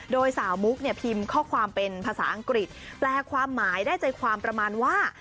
โดยสาวมุกเนี่ยพิมพ์ข้อความเป็นภาษาอังกฤษแปลความหมายได้ใจความประมาณว่า